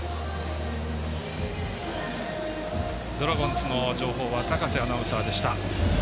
ドラゴンズの情報は高瀬アナウンサーでした。